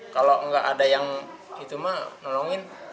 kalau nggak ada yang itu mah nolongin